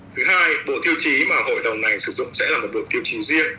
thứ hai bộ tiêu chí mà hội đồng này sử dụng sẽ là một bộ tiêu chí riêng